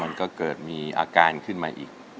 มันก็เกิดมีอาการขึ้นมาอีก